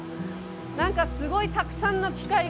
何かすごいたくさんの機械が。